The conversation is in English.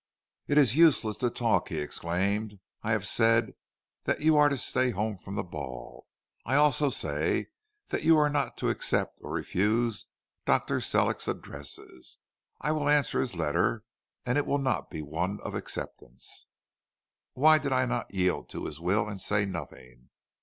"'It is useless to talk,' he exclaimed. 'I have said that you are to stay home from the ball. I also say that you are not to accept or refuse Dr. Sellick's addresses. I will answer his letter, and it will not be one of acceptance.' "Why did I not yield to his will and say nothing?